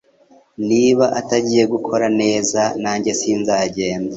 Niba atagiye gukora neza nanjye sinzagenda